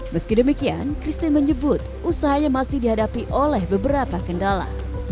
meski demikian christine menyebut usahanya masih dihadapi oleh beberapa kendala